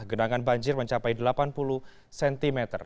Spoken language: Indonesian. genangan banjir mencapai delapan puluh cm